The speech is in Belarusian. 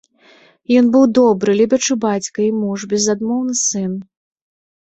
Ён быў добры, любячы бацька і муж, безадмоўны сын.